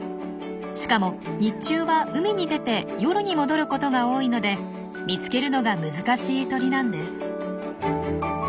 しかも日中は海に出て夜に戻ることが多いので見つけるのが難しい鳥なんです。